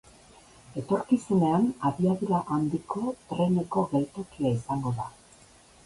Etorkizunean abiadura handiko treneko geltokia izango da.